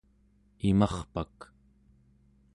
imarpak